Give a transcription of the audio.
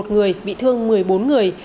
một mươi một người bị thương một mươi bốn người